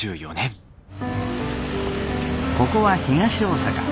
ここは東大阪。